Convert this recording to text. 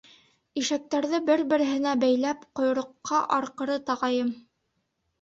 — Ишкәктәрҙе бер-береһенә бәйләп, ҡойроҡҡа арҡыры тағайым.